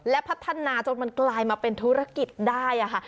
และพัฒนาจนมันกลายมาเป็นธุรกิจได้ค่ะ